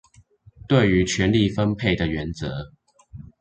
對於權力分配的原則